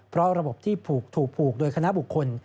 เพราะระบบที่ถูกผูกโดยคณะบุคคล